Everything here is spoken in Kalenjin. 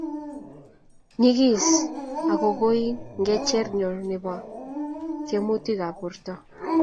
nyegis aku goii ng'echere nyo nebo tyemutikab borto